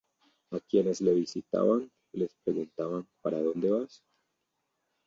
A quienes le visitaban les preguntaban ¿para donde vas?